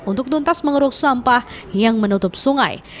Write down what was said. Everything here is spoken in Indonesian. untuk tuntas mengeruk sampah yang menutup sungai